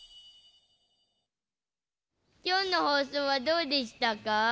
きょうのほうそうはどうでしたか？